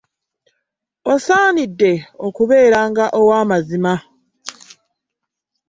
Osanidde okubeeranga owamazima.